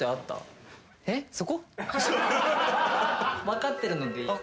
分かってるのでいい？